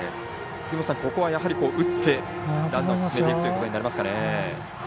ここは打ってランナーを進めていくことになりますかね。